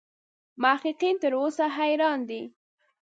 محققین تر اوسه حیران دي.